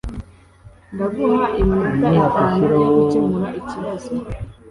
Ndaguha iminota itanu yo gukemura iki kibazo